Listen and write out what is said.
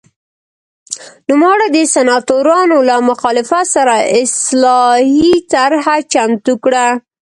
نوموړي د سناتورانو له مخالفت سره اصلاحي طرحه چمتو کړه